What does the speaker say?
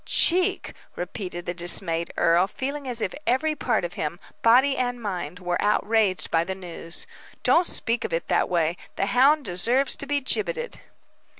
"Cheek!" repeated the dismayed earl, feeling as if every part of him, body and mind, were outraged by the news, "don't speak of it in that way. The hound deserves to be gibbeted."